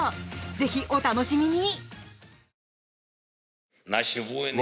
ぜひ、お楽しみに！